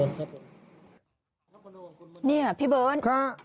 นี่ค่ะพี่เบิร์น